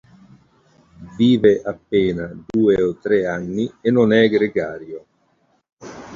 Vive appena due o tre anni e non è gregario.